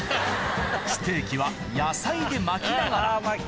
ステーキは野菜で巻きながらあぁ巻きたい。